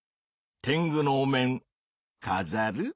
てんぐのお面かざる？